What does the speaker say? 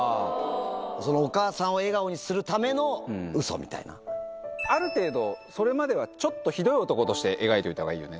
そのお母さんを笑顔にするたある程度、それまではちょっとひどい男として描いていたほうがいいよね。